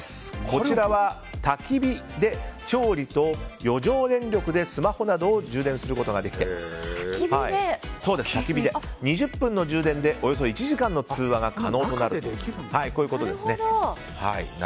こちらは、たき火で調理と余剰電力でスマホなどを充電することができて２０分の充電でおよそ１時間の通話が可能となるということです。